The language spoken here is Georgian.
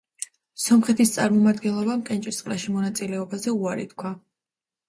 სომხეთის წარმომადგენლობამ კენჭისყრაში მონაწილეობაზე უარი თქვა.